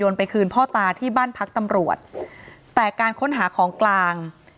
ไปคืนพ่อตาที่บ้านพักตำรวจแต่การค้นหาของกลาง